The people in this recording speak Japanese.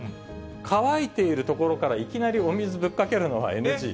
乾いているところからいきなりお水ぶっかけるのはＮＧ。